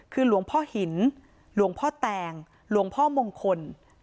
คือหลวงพ่อหินหลวงพ่อแตงหลวงพ่อมงคล